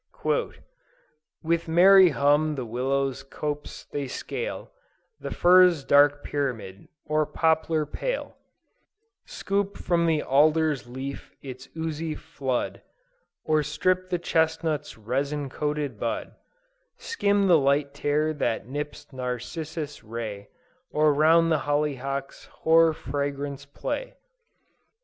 "With merry hum the Willow's copse they scale, The Fir's dark pyramid, or Poplar pale, Scoop from the Aider's leaf its oozy flood, Or strip the Chestnut's resin coated bud, Skim the light tear that tips Narcissus' ray, Or round the Hollyhock's hoar fragrance play.